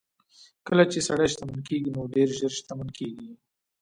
کله چې سړی شتمن کېږي نو ډېر ژر شتمن کېږي.